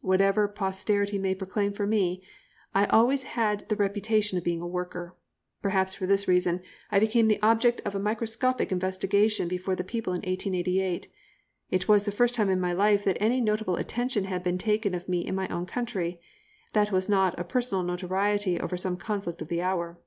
Whatever posterity may proclaim for me, I always had the reputation of being a worker. Perhaps for this reason I became the object of a microscopic investigation before the people in 1888. It was the first time in my life that any notable attention had been taken of me in my own country, that was not a personal notoriety over some conflict of the hour.